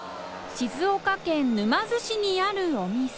秬轍沼津市にあるお店